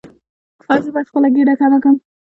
ایا زه باید خپل ګیډه کمه کړم؟